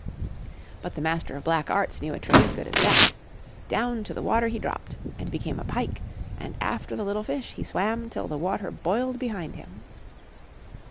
But the Master of Black Arts knew a trick as good as that. Down to the water he dropped and became a pike, and after the little fish he swam till the water boiled behind him.